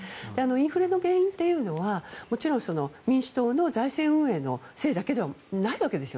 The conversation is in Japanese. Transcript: インフレの原因というのはもちろん民主党の財政運営のせいだけではないわけです。